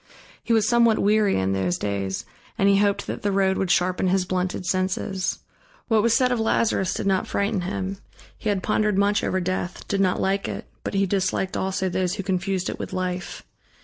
He was somewhat weary in those days and he hoped that the road would sharpen his blunted senses. What was said of Lazarus did not frighten him: he had pondered much over Death, did not like it, but he disliked also those who confused it with life.